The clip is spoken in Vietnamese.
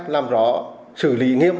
làm rõ xử lý nghiêm